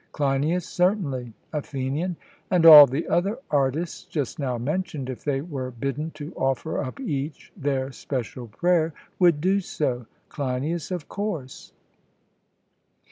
CLEINIAS: Certainly. ATHENIAN: And all the other artists just now mentioned, if they were bidden to offer up each their special prayer, would do so? CLEINIAS: Of course.